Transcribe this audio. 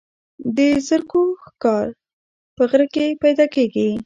د زرکو ښکار په غره کې پیدا کیږي.